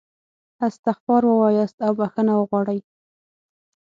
استغفار ووایاست او بخښنه وغواړئ.